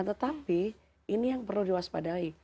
tetapi ini yang perlu diwaspadai